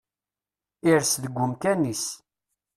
Ires deg umkan-is.